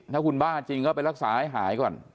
ถ้าคุณบ้าจริงก็ไปรักษาให้หายก่อน